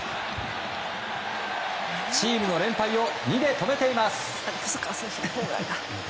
チームの連敗を２で止めています。